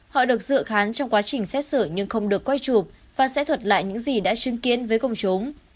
họ được dự khán trong quá trình xét xử nhưng không được quay chụp và sẽ thuật lại những gì đã chứng kiến với công chúng